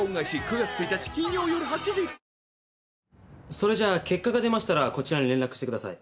それじゃあ結果が出ましたらこちらに連絡してください。